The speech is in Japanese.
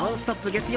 月曜